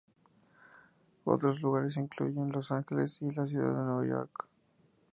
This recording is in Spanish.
Otros lugares incluyen Los Ángeles y la ciudad de Nueva York.